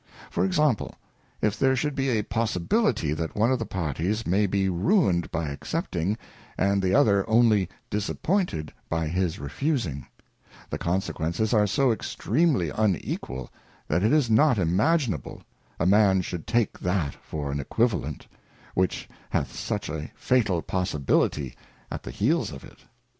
For Example, if there should be a, possibility , that one of the Parties may be ruinedhy accept ing, and the other only disappointed by his refusing ; the conse quences are so extreamly unequal, that it is not imaginable, a man should take that for an Equivalent, which hath such a, fatal possibility at the heels of it.